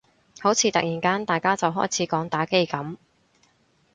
好似突然間大家就開始講打機噉